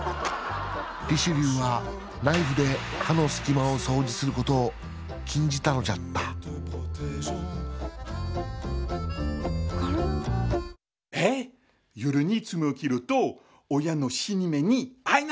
リシュリューはナイフで歯のすき間を掃除することを禁じたのじゃったなんやそれは。